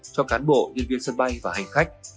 cho cán bộ nhân viên sân bay và hành khách